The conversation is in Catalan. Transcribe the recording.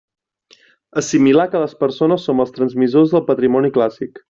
Assimilar que les persones som els transmissors del patrimoni clàssic.